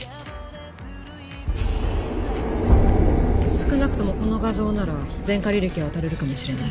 少なくともこの画像なら前科履歴をあたれるかもしれない。